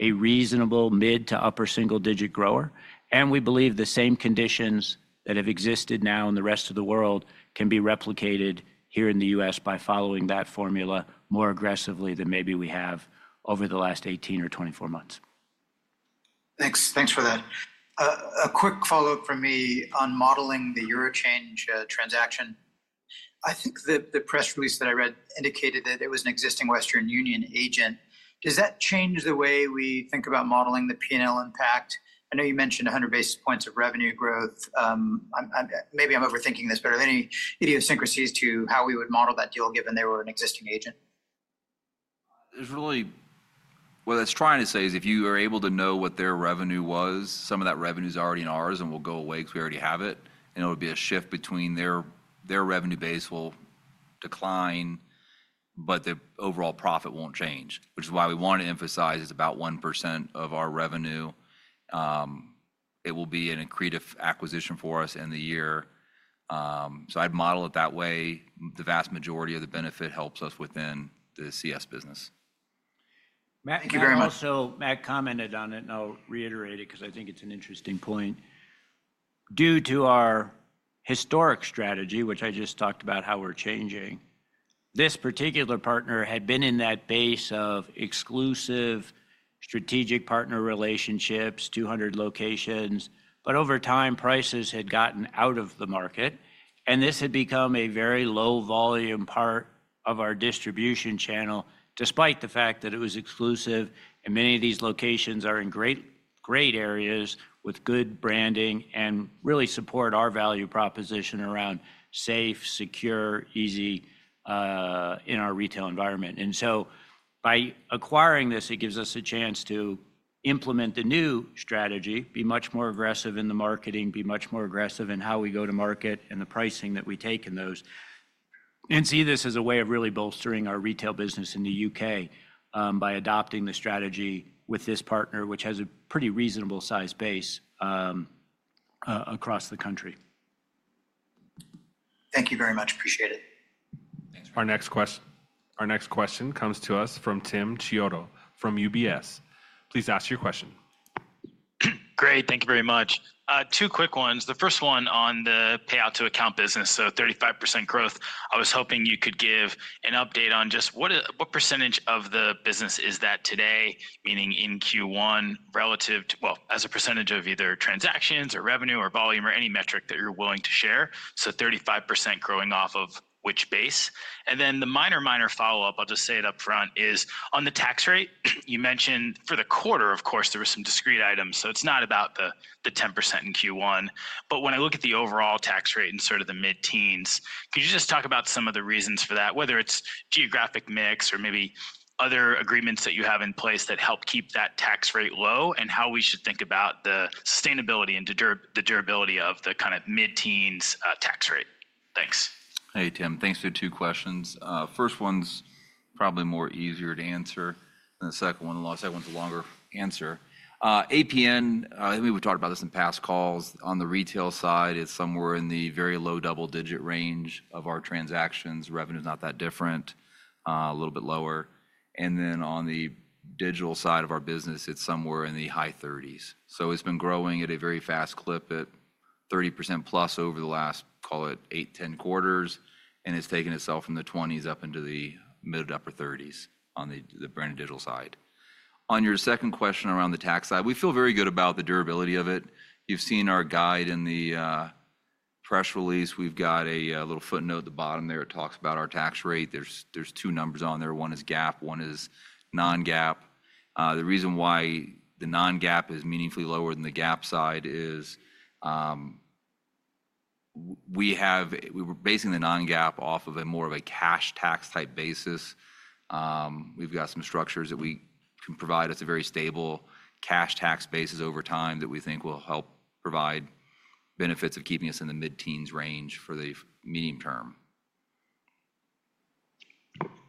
be a reasonable mid to upper single-digit grower. We believe the same conditions that have existed now in the rest of the world can be replicated here in the U.S. by following that formula more aggressively than maybe we have over the last 18 or 24 months. Thanks for that. A quick follow-up from me on modeling the EuroChange transaction. I think the press release that I read indicated that it was an existing Western Union agent. Does that change the way we think about modeling the P&L impact? I know you mentioned 100 basis points of revenue growth. Maybe I'm overthinking this, but are there any idiosyncrasies to how we would model that deal given they were an existing agent? What that's trying to say is if you are able to know what their revenue was, some of that revenue is already in ours and will go away because we already have it, and it will be a shift between their revenue base will decline, but the overall profit will not change, which is why we want to emphasize it's about 1% of our revenue. It will be an accretive acquisition for us in the year. I'd model it that way. The vast majority of the benefit helps us within the CS business. Matt, you very much. I also commented on it and I'll reiterate it because I think it's an interesting point. Due to our historic strategy, which I just talked about how we're changing, this particular partner had been in that base of exclusive strategic partner relationships, 200 locations, but over time, prices had gotten out of the market, and this had become a very low-volume part of our distribution channel, despite the fact that it was exclusive. Many of these locations are in great areas with good branding and really support our value proposition around safe, secure, easy in our retail environment. By acquiring this, it gives us a chance to implement the new strategy, be much more aggressive in the marketing, be much more aggressive in how we go to market and the pricing that we take in those, and see this as a way of really bolstering our retail business in the U.K. by adopting the strategy with this partner, which has a pretty reasonable size base across the country. Thank you very much. Appreciate it. Thanks. Our next question comes to us from Tim Chiodo from UBS. Please ask your question. Great. Thank you very much. Two quick ones. The first one on the payout to account business, so 35% growth. I was hoping you could give an update on just what percentage of the business is that today, meaning in Q1 relative to, as a percentage of either transactions or revenue or volume or any metric that you're willing to share. 35% growing off of which base? The minor, minor follow-up, I'll just say it upfront, is on the tax rate. You mentioned for the quarter, of course, there were some discrete items. It's not about the 10% in Q1. When I look at the overall tax rate in sort of the mid-teens, could you just talk about some of the reasons for that, whether it's geographic mix or maybe other agreements that you have in place that help keep that tax rate low and how we should think about the sustainability and the durability of the kind of mid-teens tax rate? Thanks. Hey, Tim. Thanks for the two questions. First one's probably more easy to answer. The second one, the second one's a longer answer. APAC, I think we've talked about this in past calls. On the retail side, it's somewhere in the very low double-digit range of our transactions. Revenue is not that different, a little bit lower. On the digital side of our business, it's somewhere in the high 30s. It has been growing at a very fast clip at 30% plus over the last, call it, eight, ten quarters, and it has taken itself from the 20s up into the mid to upper 30s on the branded digital side. On your second question around the tax side, we feel very good about the durability of it. You have seen our guide in the press release. We have got a little footnote at the bottom there. It talks about our tax rate. There are two numbers on there. One is GAAP, one is non-GAAP. The reason why the non-GAAP is meaningfully lower than the GAAP side is we were basing the non-GAAP off of more of a cash tax type basis. We've got some structures that can provide us a very stable cash tax basis over time that we think will help provide benefits of keeping us in the mid-teens range for the medium term.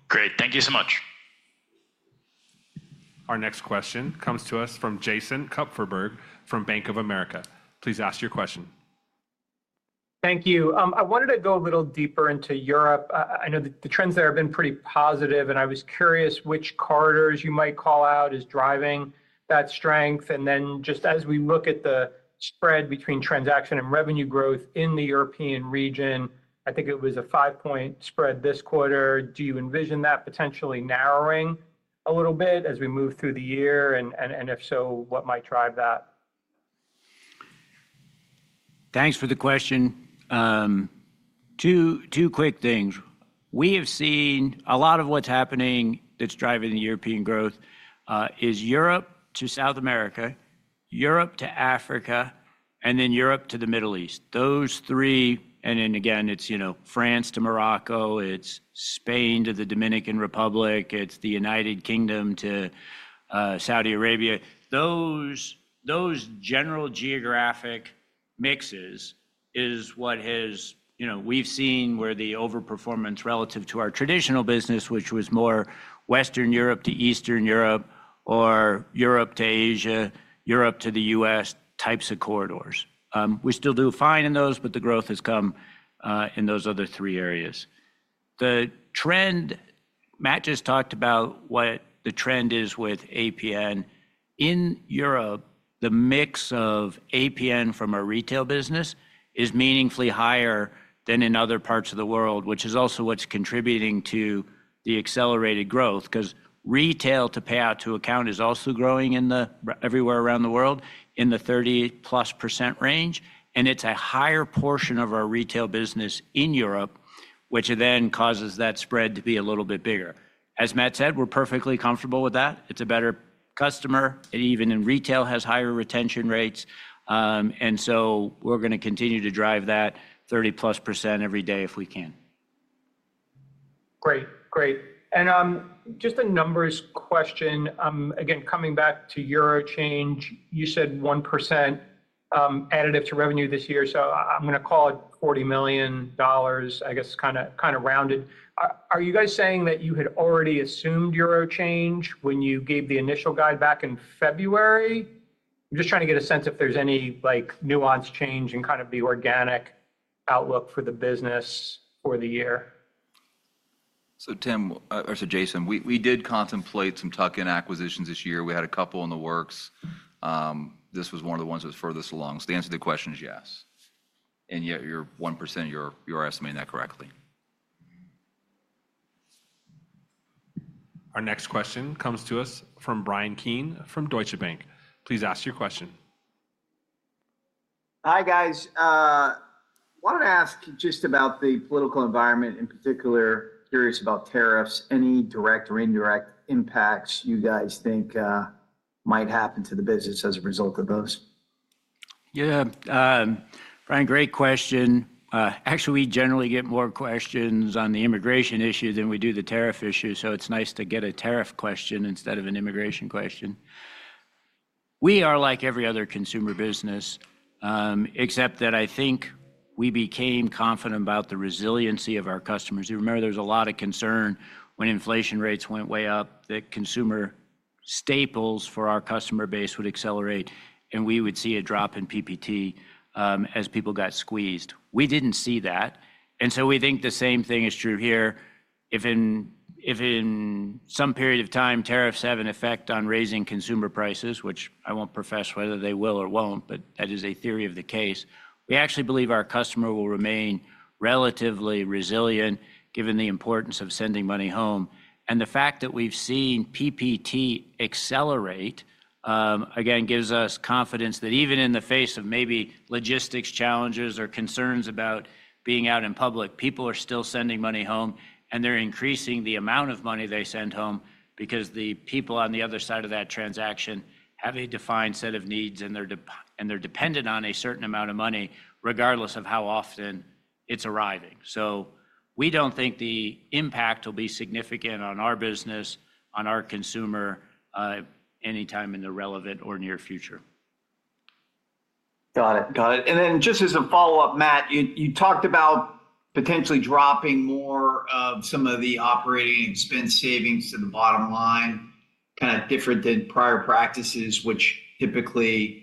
Great. Thank you so much. Our next question comes to us from Jason Kupferberg from Bank of America. Please ask your question. Thank you. I wanted to go a little deeper into Europe. I know that the trends there have been pretty positive, and I was curious which corridors you might call out as driving that strength. As we look at the spread between transaction and revenue growth in the European region, I think it was a five-point spread this quarter. Do you envision that potentially narrowing a little bit as we move through the year? If so, what might drive that? Thanks for the question. Two quick things. We have seen a lot of what's happening that's driving the European growth is Europe to South America, Europe to Africa, and Europe to the Middle East. Those three, and then again, it's France to Morocco, it's Spain to the Dominican Republic, it's the United Kingdom to Saudi Arabia. Those general geographic mixes are what we've seen where the overperformance is relative to our traditional business, which was more Western Europe to Eastern Europe or Europe to Asia, Europe to the U.S. types of corridors. We still do fine in those, but the growth has come in those other three areas. The trend, Matt just talked about what the trend is with APN. In Europe, the mix of APN from our retail business is meaningfully higher than in other parts of the world, which is also what's contributing to the accelerated growth because retail to pay out to account is also growing everywhere around the world in the 30+% range. It is a higher portion of our retail business in Europe, which then causes that spread to be a little bit bigger. As Matt said, we're perfectly comfortable with that. It's a better customer. It even in retail has higher retention rates. We are going to continue to drive that 30+% every day if we can. Great. Great. And just a numbers question. Again, coming back to EuroChange, you said 1% additive to revenue this year. I'm going to call it $40 million, I guess kind of rounded. Are you guys saying that you had already assumed EuroChange when you gave the initial guide back in February? I'm just trying to get a sense if there's any nuanced change and kind of the organic outlook for the business for the year. Tim or Jason, we did contemplate some tuck-in acquisitions this year. We had a couple in the works. This was one of the ones that was furthest along. The answer to the question is yes. And yet your 1%, you're estimating that correctly. Our next question comes to us from Brian Keane from Deutsche Bank. Please ask your question. Hi guys. I wanted to ask just about the political environment in particular, curious about tariffs, any direct or indirect impacts you guys think might happen to the business as a result of those. Yeah. Brian, great question. Actually, we generally get more questions on the immigration issue than we do the tariff issue. It is nice to get a tariff question instead of an immigration question. We are like every other consumer business, except that I think we became confident about the resiliency of our customers. You remember there was a lot of concern when inflation rates went way up that consumer staples for our customer base would accelerate and we would see a drop in PPT as people got squeezed. We did not see that. We think the same thing is true here. If in some period of time tariffs have an effect on raising consumer prices, which I won't profess whether they will or won't, but that is a theory of the case, we actually believe our customer will remain relatively resilient given the importance of sending money home. The fact that we've seen PPT accelerate, again, gives us confidence that even in the face of maybe logistics challenges or concerns about being out in public, people are still sending money home and they're increasing the amount of money they send home because the people on the other side of that transaction have a defined set of needs and they're dependent on a certain amount of money regardless of how often it's arriving. We don't think the impact will be significant on our business, on our consumer anytime in the relevant or near future. Got it. Got it. Just as a follow-up, Matt, you talked about potentially dropping more of some of the operating expense savings to the bottom line, kind of different than prior practices, which typically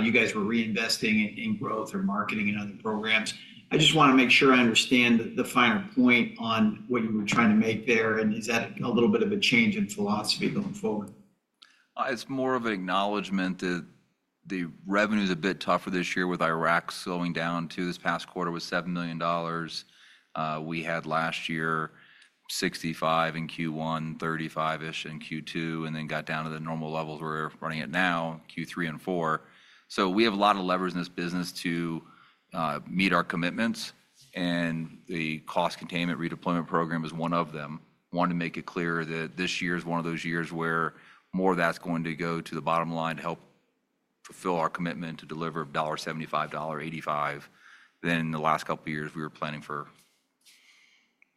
you guys were reinvesting in growth or marketing and other programs. I just want to make sure I understand the finer point on what you were trying to make there. Is that a little bit of a change in philosophy going forward? It's more of an acknowledgment that the revenue is a bit tougher this year with Iraq slowing down too. This past quarter was $7 million. We had last year $65 million in Q1, $35 million-ish in Q2, and then got down to the normal levels we're running at now, Q3 and Q4. We have a lot of levers in this business to meet our commitments. The cost containment redeployment program is one of them. I want to make it clear that this year is one of those years where more of that's going to go to the bottom line to help fulfill our commitment to deliver $1.75-$1.85 than in the last couple of years we were planning for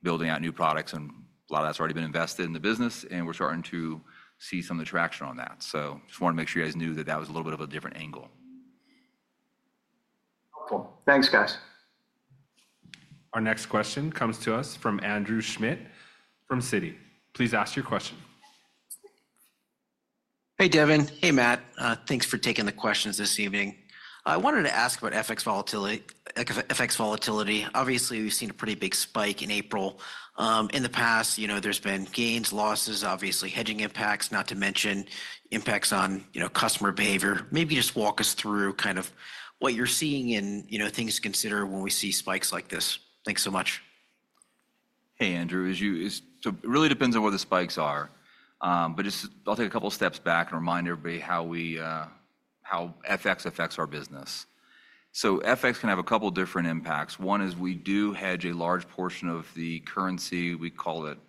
building out new products and a lot of that's already been invested in the business. We're starting to see some of the traction on that. I just wanted to make sure you guys knew that that was a little bit of a different angle. Thanks, guys. Our next question comes to us from Andrew Schmidt from Citi. Please ask your question. Hey, Devin. Hey, Matt. Thanks for taking the questions this evening. I wanted to ask about FX volatility. Obviously, we've seen a pretty big spike in April. In the past, there's been gains, losses, obviously hedging impacts, not to mention impacts on customer behavior. Maybe just walk us through kind of what you're seeing and things to consider when we see spikes like this. Thanks so much. Hey, Andrew. It really depends on what the spikes are. I'll take a couple of steps back and remind everybody how FX affects our business. FX can have a couple of different impacts. One is we do hedge a large portion of the currency. We call it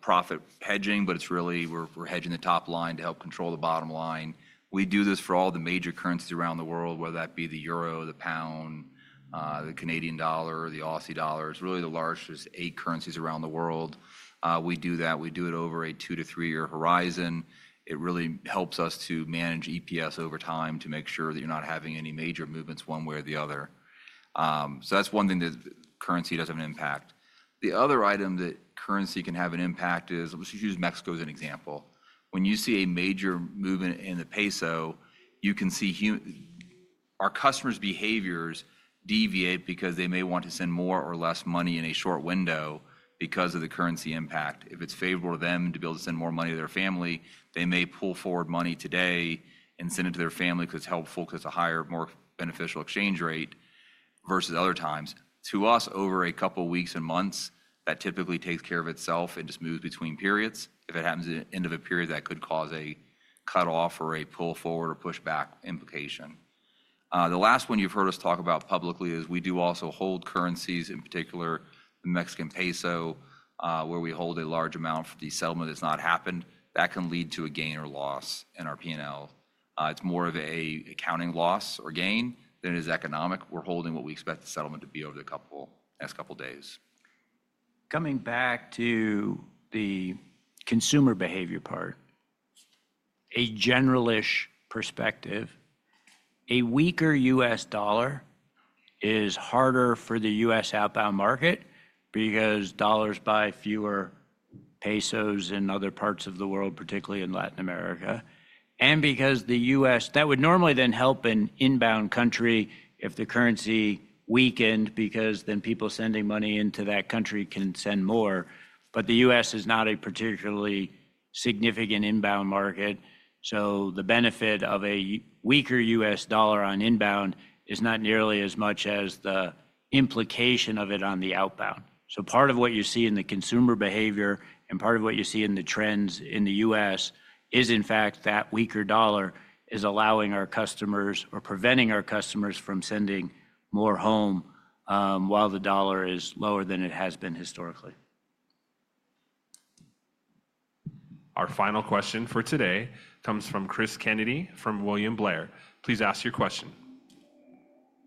profit hedging, but it's really we're hedging the top line to help control the bottom line. We do this for all the major currencies around the world, whether that be the euro, the pound, the Canadian dollar, the Aussie dollar. It's really the largest eight currencies around the world. We do that. We do it over a two to three-year horizon. It really helps us to manage EPS over time to make sure that you're not having any major movements one way or the other. That is one thing that currency does have an impact. The other item that currency can have an impact is let's use Mexico as an example. When you see a major movement in the peso, you can see our customers' behaviors deviate because they may want to send more or less money in a short window because of the currency impact. If it's favorable to them to be able to send more money to their family, they may pull forward money today and send it to their family because it's helpful, because it's a higher, more beneficial exchange rate versus other times. To us, over a couple of weeks and months, that typically takes care of itself and just moves between periods. If it happens at the end of a period, that could cause a cutoff or a pull forward or push back implication. The last one you've heard us talk about publicly is we do also hold currencies, in particular the Mexican peso, where we hold a large amount for the settlement that's not happened. That can lead to a gain or loss in our P&L. It's more of an accounting loss or gain than it is economic. We're holding what we expect the settlement to be over the next couple of days. Coming back to the consumer behavior part, a general-ish perspective, a weaker U.S. dollar is harder for the U.S. outbound market because dollars buy fewer pesos in other parts of the world, particularly in Latin America. Because the U.S. That would normally then help an inbound country if the currency weakened because then people sending money into that country can send more. But the U.S. is not a particularly significant inbound market. The benefit of a weaker U.S. dollar on inbound is not nearly as much as the implication of it on the outbound. Part of what you see in the consumer behavior and part of what you see in the trends in the U.S. is, in fact, that weaker dollar is allowing our customers or preventing our customers from sending more home while the dollar is lower than it has been historically. Our final question for today comes from Chris Kennedy from William Blair. Please ask your question.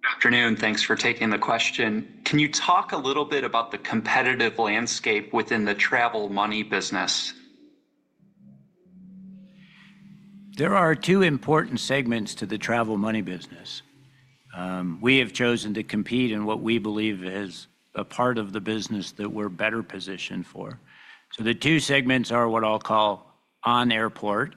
Good afternoon. Thanks for taking the question. Can you talk a little bit about the competitive landscape within the travel money business? There are two important segments to the travel money business. We have chosen to compete in what we believe is a part of the business that we're better positioned for. The two segments are what I'll call on airport,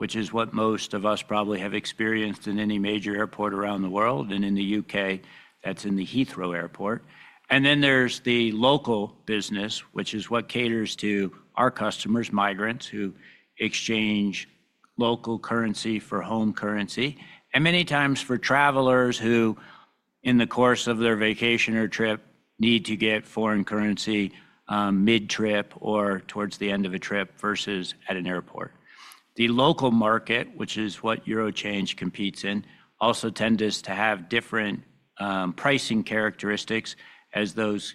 which is what most of us probably have experienced in any major airport around the world. In the U.K., that's in the Heathrow Airport. Then there's the local business, which is what caters to our customers, migrants who exchange local currency for home currency. Many times for travelers who, in the course of their vacation or trip, need to get foreign currency mid-trip or towards the end of a trip versus at an airport. The local market, which is what EuroChange competes in, also tends to have different pricing characteristics as those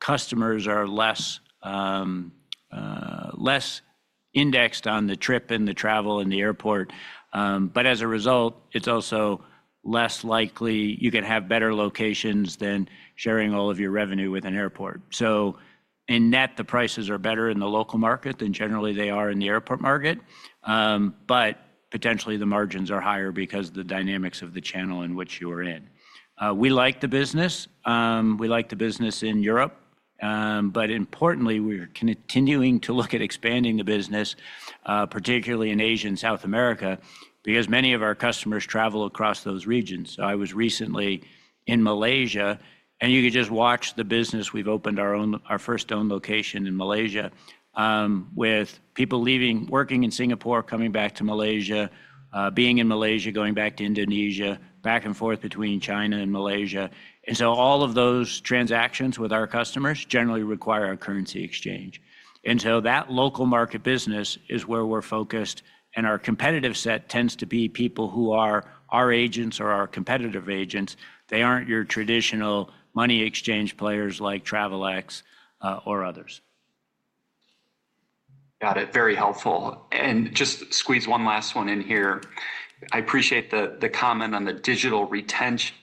customers are less indexed on the trip and the travel and the airport. As a result, it's also less likely you can have better locations than sharing all of your revenue with an airport. In net, the prices are better in the local market than generally they are in the airport market. Potentially the margins are higher because of the dynamics of the channel in which you are in. We like the business. We like the business in Europe. Importantly, we're continuing to look at expanding the business, particularly in Asia and South America, because many of our customers travel across those regions. I was recently in Malaysia, and you could just watch the business. We've opened our first own location in Malaysia with people working in Singapore, coming back to Malaysia, being in Malaysia, going back to Indonesia, back and forth between China and Malaysia. All of those transactions with our customers generally require a currency exchange. That local market business is where we're focused. Our competitive set tends to be people who are our agents or our competitive agents. They are not your traditional money exchange players like Travelex or others. Got it. Very helpful. Just squeeze one last one in here. I appreciate the comment on the digital retention.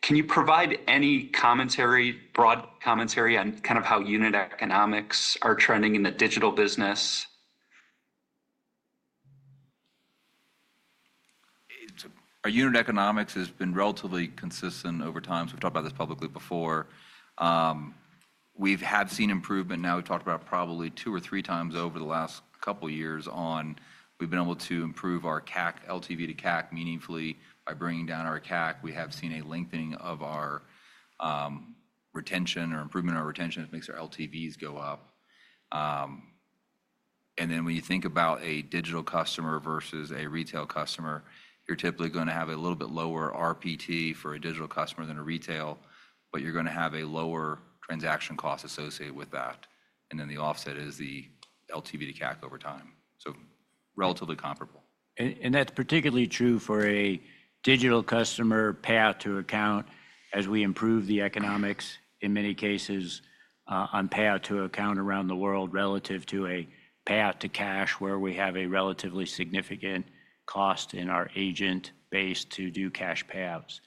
Can you provide any commentary, broad commentary on kind of how unit economics are trending in the digital business? Our unit economics has been relatively consistent over time. We have talked about this publicly before. We have seen improvement. We have talked about probably two or three times over the last couple of years on we have been able to improve our CAC, LTV to CAC meaningfully by bringing down our CAC. We have seen a lengthening of our retention or improvement in our retention. It makes our LTVs go up. When you think about a digital customer versus a retail customer, you're typically going to have a little bit lower RPT for a digital customer than a retail, but you're going to have a lower transaction cost associated with that. The offset is the LTV to CAC over time. Relatively comparable. That is particularly true for a digital customer payout to account as we improve the economics in many cases on payout to account around the world relative to a payout to cash where we have a relatively significant cost in our agent base to do cash payouts.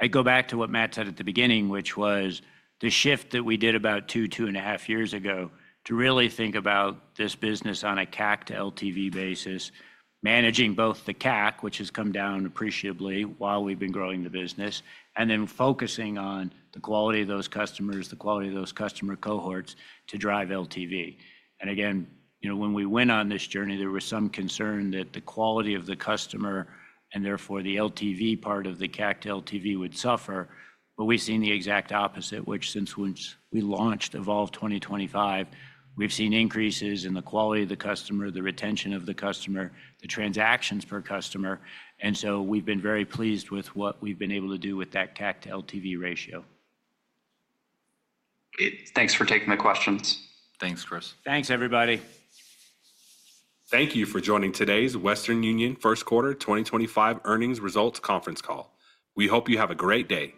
I go back to what Matt said at the beginning, which was the shift that we did about two, two and a half years ago to really think about this business on a CAC to LTV basis, managing both the CAC, which has come down appreciably while we've been growing the business, and then focusing on the quality of those customers, the quality of those customer cohorts to drive LTV. When we went on this journey, there was some concern that the quality of the customer and therefore the LTV part of the CAC to LTV would suffer. We have seen the exact opposite, which since we launched Evolve 2025, we've seen increases in the quality of the customer, the retention of the customer, the transactions per customer. We have been very pleased with what we've been able to do with that CAC to LTV ratio. Thanks for taking the questions. Thanks, Chris. Thanks, everybody. Thank you for joining today's Western Union First Quarter 2025 Earnings Results Conference Call. We hope you have a great day.